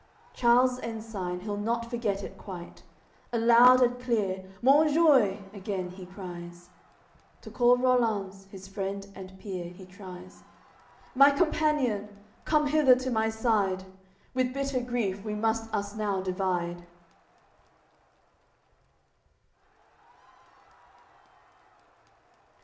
Charles ensign he'll not forget it quite; Aloud and clear "Monjoie" again he cries. To call Rollanz, his friend and peer, he tries: "My companion, come hither to my side. With bitter grief we must us now divide."